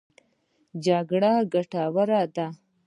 جګر ګټور دی.